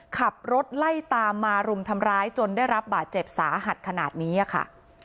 ขับรถไล่ตามมารุมทำร้ายจนได้รับบาดเจ็บสาหัสขนาดนี้ค่ะ